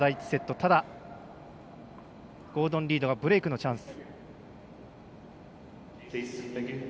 ただ、ゴードン・リードがブレークのチャンス。